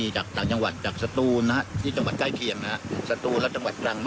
จะให้ผลผลิตตอนเดือนไหนครับ